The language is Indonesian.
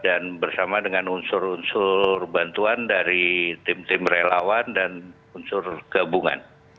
dan bersama dengan unsur unsur bantuan dari tim tim relawan dan unsur gabungan